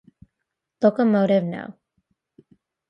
Locomotive no.